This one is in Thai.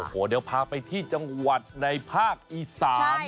โอ้โหเดี๋ยวพาไปที่จังหวัดในภาคอีสาน